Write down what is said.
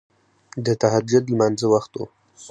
د تهجد لمانځه وخت وو.